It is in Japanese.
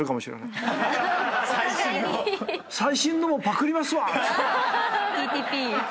「最新のもパクりますわ！」